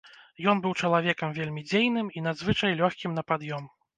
Ён быў чалавекам вельмі дзейным і надзвычай лёгкім на пад'ём.